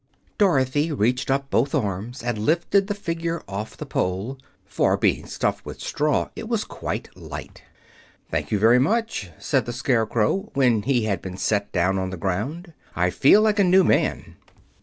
Dorothy reached up both arms and lifted the figure off the pole, for, being stuffed with straw, it was quite light. "Thank you very much," said the Scarecrow, when he had been set down on the ground. "I feel like a new man."